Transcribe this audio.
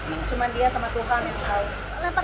ini cuma dia sama tuhan yang tahu